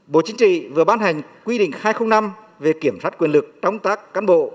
bộ chính trị vừa ban hành quy định hai trăm linh năm về kiểm soát quyền lực trong công tác cán bộ